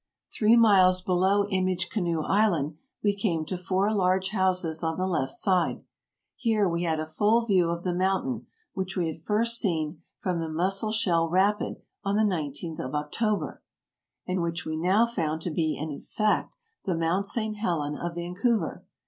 Three miles below Image Canoe Island we came to four large houses on the left side ; here we had a full view of the mountain which we had first seen from the Musselshell Rapid on the nineteenth of October, and which we now found to be, in fact, the Mount St. Helen of Vancouver.